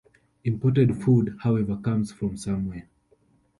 Imported food, however, comes from somewhere.